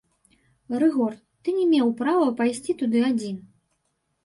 Рыгор, ты не меў права пайсці туды адзін!